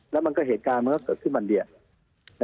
แล้วมันก็เหตุการณ์เสริมเข้าบรรเวณ